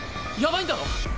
やばいんだろ？